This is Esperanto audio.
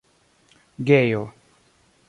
gejo